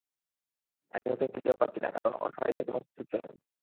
আমি ওকে খুঁজে পাচ্ছি না, কারণ ওর ফাইলের কোনো অস্তিত্ব নেই।